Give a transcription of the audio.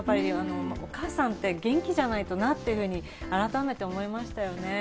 お母さんって元気じゃないとなっていうふうに改めて思いましたよね。